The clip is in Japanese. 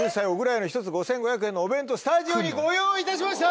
家の１つ５５００円のお弁当スタジオにご用意いたしました。